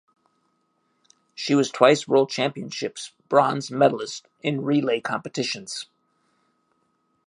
She was twice World Championships bronze medalist in relay competitions.